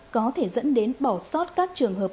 có thể dẫn đến bỏ sót các trường hợp